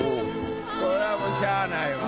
これはもうしゃあないわ。